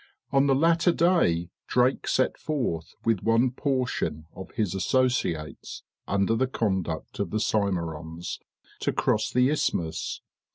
On the latter day, Drake set forth with one portion of his associates, under the conduct of the Symerons, to cross the isthmus.